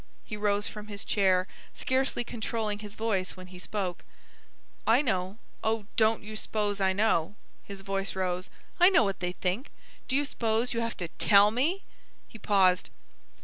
He rose from his chair, scarcely controlling his voice when he spoke. "I know—oh, don't you s'pose I know." His voice rose. "I know what they think; do you s'pose you have to tell me!" He paused.